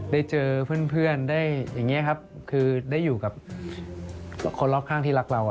ได้เจอเพื่อนได้อย่างนี้ครับคือได้อยู่กับคนรอบข้างที่รักเรา